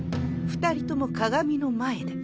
二人とも鏡の前で。